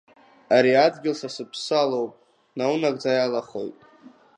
Ари адгьыл са сыԥсы алоуп, наунагӡа иалахоит.